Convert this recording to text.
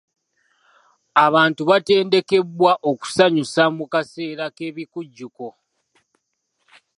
Abantu baatendekebwa okusanyusa mu kaseera k'ebikujjuko.